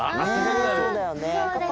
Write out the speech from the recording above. うんそうだよね。